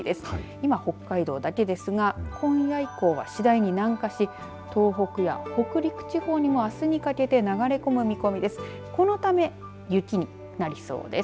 今、北海道だけですが今夜以降は次第に南下し東北や北陸地方にもあすにかけて流れ込む見込みです。